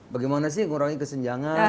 bagaimana sih ngurangi kesenjangan